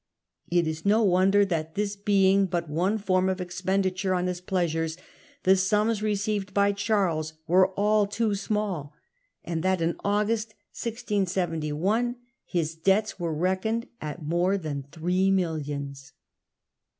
It is no wonder that, this being but one form of expenditure on his pleasures, the sums re ceived by Charles were all too small, and that in August, 1671, his debts were reckoned at more than three millions.